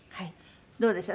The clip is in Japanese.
どうでした？